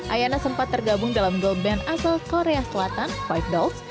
ayana sempat tergabung dalam girl band asal korea selatan five dogs